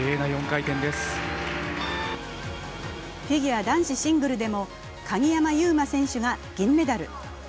フィギュア男子シングルでも鍵山優真選手が銀メダル。